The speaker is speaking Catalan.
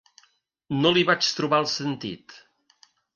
No l'hi vaig trobar el sentit.